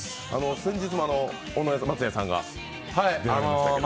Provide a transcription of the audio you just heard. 先日も尾上松也さんがいらっしゃいましたけど。